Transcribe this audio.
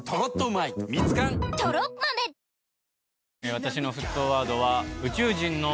私の沸騰ワードは。